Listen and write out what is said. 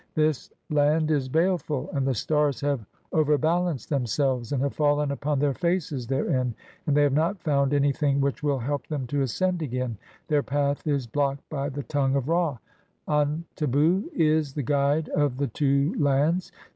This land "is baleful, and the stars have over balanced themselves and "have fallen upon their faces therein, and they have not found "anything which will help them to ascend again : their path is "blocked by (7) the tongue of Ra. Antebu [is] the guide of the "two lands.